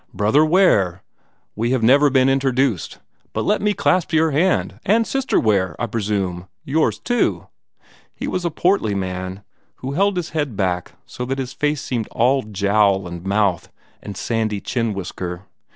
"Brother Ware we have never been interduced but let me clasp your hand! And Sister Ware, I presume yours too!" He was a portly man, who held his head back so that his face seemed all jowl and mouth and sandy chin whisker.